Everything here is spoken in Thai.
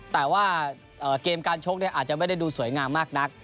แต่ว่าเกมการชกอาจจะไม่ได้ดูสวยงามมากนัก